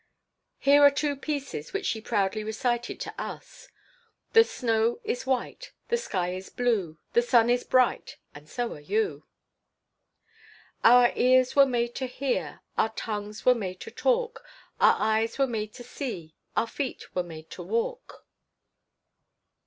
Here are two "pieces" which she proudly recited to us: "The snow is white, The sky is blue, The sun is bright, And so are you." "Our ears were made to hear, Our tongues were made to talk, Our eyes were made to see, Our feet were made to walk."